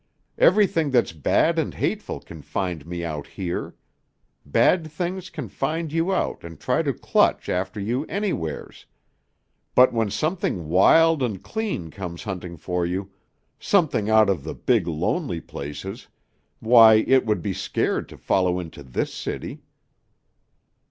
Everything that's bad and hateful can find me out here. Bad things can find you out and try to clutch after you anywheres. But when something wild and clean comes hunting for you, something out of the big lonely places why, it would be scared to follow into this city."